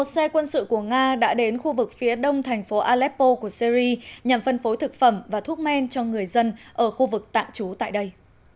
một xe quân sự của nga đã đến khu vực phía đông thành phố aleppo của syri nhằm phân phối thực phẩm và thuốc men cho người dân ở khu vực tạm trú tại đây